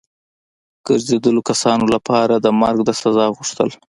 ګرځېدلو کسانو لپاره د مرګ د سزا غوښتل.